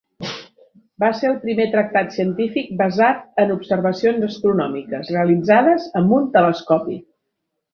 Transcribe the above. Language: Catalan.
Va ser el primer tractat científic basat en observacions astronòmiques realitzades amb un telescopi.